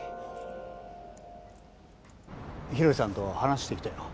廣井さんと話してきたよ。